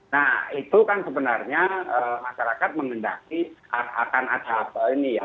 nah itu kan sebenarnya masyarakat mengendaki akan ada apa ini ya